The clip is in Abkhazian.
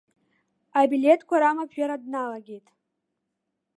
Абилеҭкәа рамаԥжәара дналагеит.